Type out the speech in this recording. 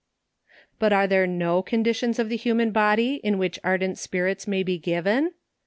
But are there no conditions of the human body in which ar dent spirits may be given?